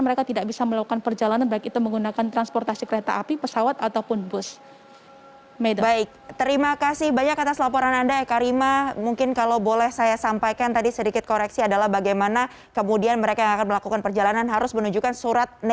mereka tidak bisa melakukan perjalanan